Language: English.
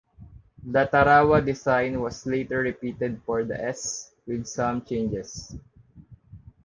The "Tarawa" design was later repeated for the s, with some changes.